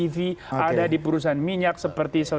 kompetensi dan kemampinan